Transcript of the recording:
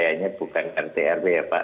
yang terpenting untuk yellsak berburgh